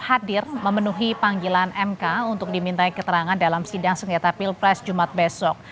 hadir memenuhi panggilan mk untuk dimintai keterangan dalam sidang sengketa pilpres jumat besok